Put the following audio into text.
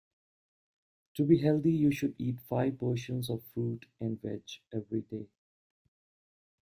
To be healthy you should eat five portions of fruit and veg every day